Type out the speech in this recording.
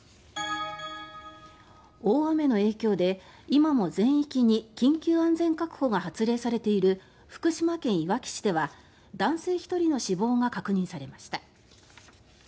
大雨の影響で、今も全域に緊急安全確保が発令されている福島県いわき市では男性１人の死亡が確認されました。